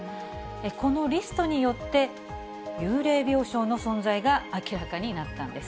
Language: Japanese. このリストによって、幽霊病床の存在が明らかになったんです。